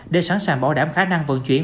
để sẵn sàng bảo đảm khả năng vận chuyển